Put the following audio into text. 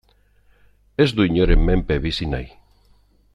Ez du inoren mende bizi nahi.